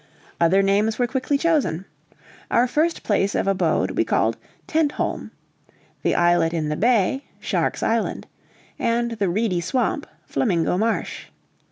Other names were quickly chosen. Our first place of abode we called Tentholm; the islet in the bay, Shark's Island; and the reedy swamp, Flamingo Marsh.